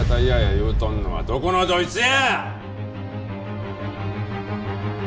言うとんのはどこのどいつや！？